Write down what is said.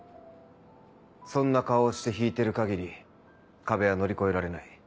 そんな顔をして弾いてる限り壁は乗り越えられない。